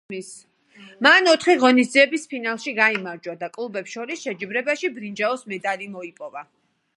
მან ოთხი ღონისძიების ფინალში გაიმარჯვა და კლუბებს შორის შეჯიბრებაში ბრინჯაოს მედალი მოიპოვა.